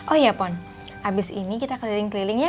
oh iya pon abis ini kita keliling keliling ya